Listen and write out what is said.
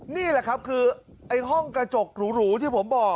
นี่แหละครับคือไอ้ห้องกระจกหรูที่ผมบอก